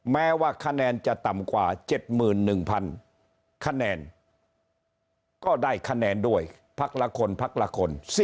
แม้ว่าคะแนนจะต่ำกว่า๗๑๐๐คะแนนก็ได้คะแนนด้วยพักละคนพักละคน